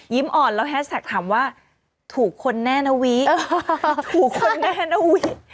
อ่อนแล้วแฮสแท็กถามว่าถูกคนแน่นะวิถูกคนแน่นะวิ